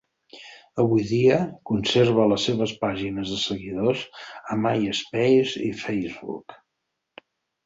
Avui dia, conserva les seves pàgines de seguidors a Myspace i Facebook.